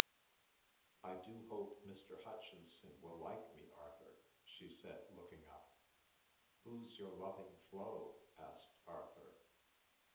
"I do hope Mr. Hutchinson will like me, Arthur," she said, looking up. "Who's your loving Flo?" asked Arthur.